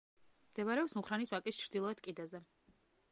მდებარეობს მუხრანის ვაკის ჩრდილოეთ კიდეზე.